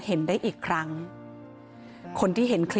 คุณผู้ชมค่ะคุณผู้ชมค่ะ